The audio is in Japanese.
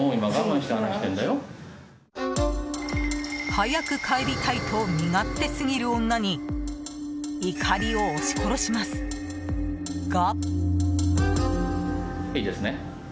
早く帰りたいと身勝手すぎる女に怒りを押し殺しますが。